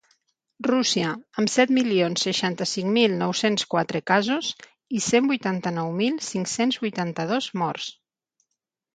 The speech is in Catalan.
Rússia, amb set milions seixanta-cinc mil nou-cents quatre casos i cent vuitanta-nou mil cinc-cents vuitanta-dos morts.